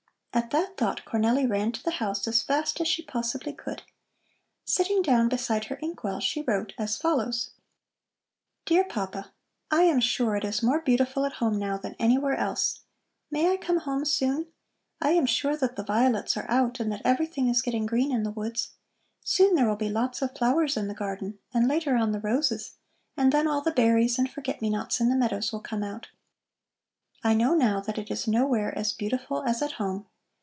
At that thought Cornelli ran to the house as fast as she possibly could. Sitting down beside her ink well she wrote as follows: DEAR PAPA: I am sure it is more beautiful at home now than anywhere else. May I come home soon? I am sure that the violets are out and that everything is getting green in the woods. Soon there will be lots of flowers in the garden, and later on the roses, and then all the berries and forget me nots in the meadows will come out. I know now that it is nowhere as beautiful as at home.